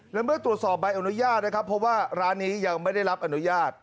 และเมื่อตรวจสอบใบอนุญาตนะครับเพราะว่าร้านนี้ยังไม่ได้รับอนุญาต